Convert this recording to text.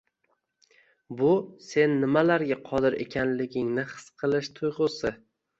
Bu — sen nimalarga qodir ekanligingni his qilish tuyg‘usi.